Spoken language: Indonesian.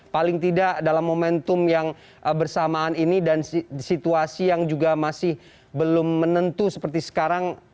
paling tidak dalam momentum yang bersamaan ini dan situasi yang juga masih belum menentu seperti sekarang